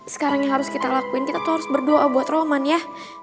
sekarang yang harus kita lakuin kita tuh harus berdoa buat roman ya